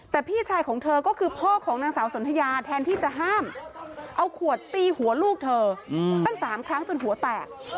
แต่พี่ชายของเธอก็คือพ่อของนางสาวสนทยาแทนที่จะห้ามเอาขวดตีหัวลูกเธอตั้ง๓ครั้งจนหัวแตก